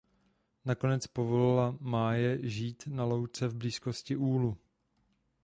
Nakonec povolila Máje žít na louce v blízkosti úlu.